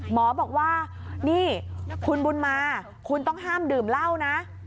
หมอบอกว่านี่คุณบุญมาคุณต้องห้ามดื่มเหล้านะ